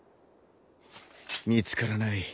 見つからない。